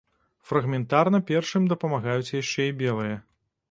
Фрагментарна першым дапамагаюць яшчэ і белыя.